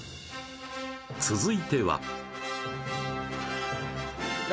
続いては誰？